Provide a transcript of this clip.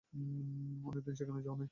অনেকদিন সেখানে যাও নাই।